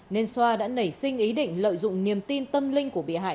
nên xoa đã nảy sinh ý định lợi dụng niềm tin tâm linh của bị hại